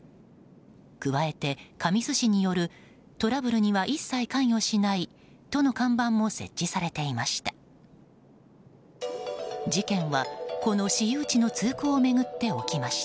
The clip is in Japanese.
加えて、神栖市によるトラブルには一切関与しないとの看板も設置されていました。